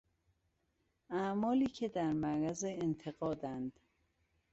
اعمالی که در معرض انتقادند.